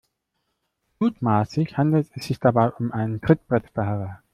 Mutmaßlich handelt es sich dabei um einen Trittbrettfahrer.